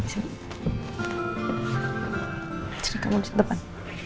cari kamu di depan